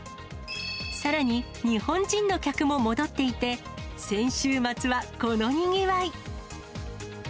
さらに日本人の客も戻っていて、先週末はこのにぎわい。